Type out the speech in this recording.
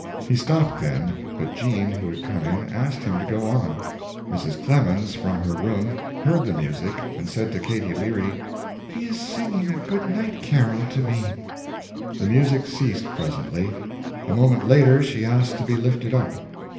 He stopped then, but Jean, who had come in, asked him to go on. Mrs. Clemens, from her room, heard the music and said to Katy Leary: "He is singing a good night carol to me." The music ceased presently. A moment later she asked to be lifted up.